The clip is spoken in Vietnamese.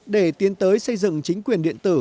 để tiến tới xây dựng chính quyền điện tử